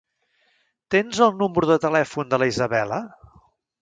Tens el número de telèfon de la Isabella?